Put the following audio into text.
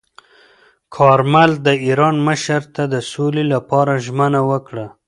کارمل د ایران مشر ته د سولې لپاره ژمنه وکړه.